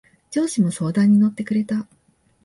上司も相談に乗ってくれた。